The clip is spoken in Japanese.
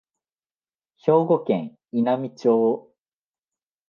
兵庫県稲美町